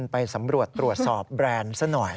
ไปสำรวจตรวจสอบแบรนด์ซะหน่อย